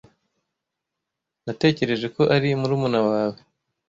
natekereje ko ari murumuna wawe